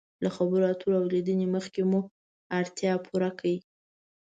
له خبرو اترو او لیدنې مخکې مو اړتیا پوره کړئ.